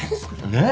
ねえ。